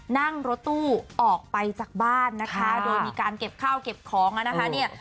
นั่งรถตู้ออกไปจากบ้านนะคะโดยมีการเก็บข้าวเก็บของอ่ะนะคะเนี่ย